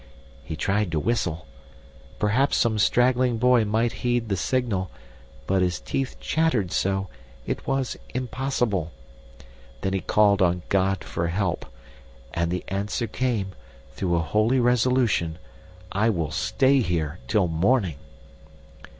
He tried to whistle. Perhaps some straggling boy might heed the signal, but his teeth chattered so, it was impossible. Then he called on God for help. And the answer came, through a holy resolution: 'I will stay here till morning.